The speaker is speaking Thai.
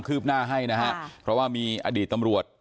ืบหน้าให้นะฮะเพราะว่ามีอดีตตำรวจ